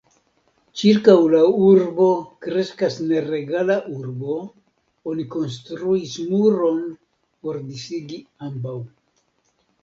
Ĉirkaŭ la urbo kreskas neregula urbo, oni konstruis muron por disigi ambaŭ.